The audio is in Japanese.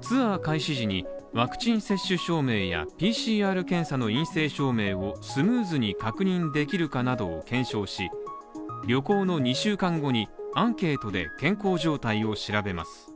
ツアー開始時にワクチン接種証明やＰＣＲ検査の陰性証明をスムーズに確認できるかなどを検証し、旅行の２週間後にアンケートで健康状態を調べます。